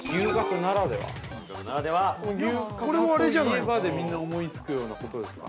牛角といえばでみんな思いつくようなことですか。